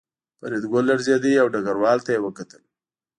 فریدګل لړزېده او ډګروال ته یې وکتل